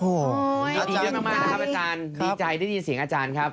ดีมากครับอาจารย์ดีใจได้ยินเสียงอาจารย์ครับ